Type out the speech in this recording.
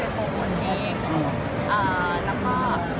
มีโครงการทุกทีใช่ไหม